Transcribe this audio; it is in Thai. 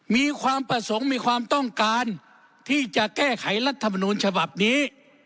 มีความประสงค์มีความต้องการที่จะแก้ไขรัฐมนูลฉบับนี้